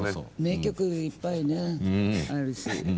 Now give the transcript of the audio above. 名曲いっぱいねあるし。